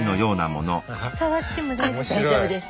触っても大丈夫ですか？